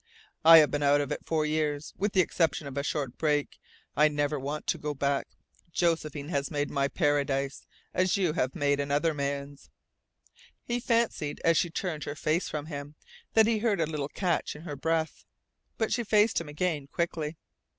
"I have been out of it four years with the exception of a short break. I never want to go back. Josephine has made my paradise, as you have made another man's." He fancied, as she turned her face from him, that he heard a little catch in her breath. But she faced him again quickly.